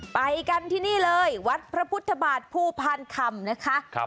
ไปกันที่นี่เลยวัดพระพุทธบาทภูพานคำนะคะ